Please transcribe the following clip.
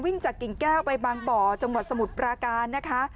จากกิ่งแก้วไปบางบ่อจังหวัดสมุทรปราการนะคะ